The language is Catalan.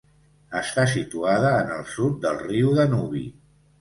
Està situada en el sud del riu Danubi.